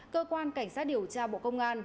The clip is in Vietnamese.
cơ quan cảnh sát điều tra bộ công an